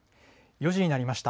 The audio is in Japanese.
４時になりました。